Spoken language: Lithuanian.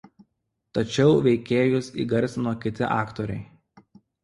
Tačiau veikėjus įgarsino kiti aktoriai.